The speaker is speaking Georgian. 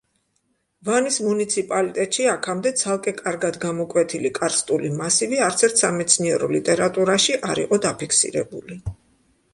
ვანის მუნიციპალიტეტში, აქამდე ცალკე კარგად გამოკვეთილი კარსტული მასივი არცერთ სამეცნიერო ლიტერატურაში არ იყო დაფიქსირებული.